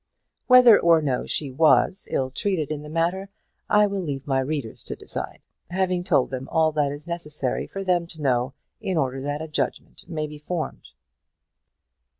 Whether or no she was ill treated in the matter, I will leave my readers to decide, having told them all that it is necessary for them to know, in order that a judgement may be formed.